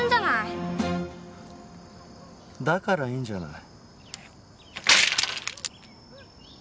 だからいいんじゃない。